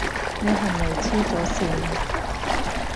你係咪痴咗線呀？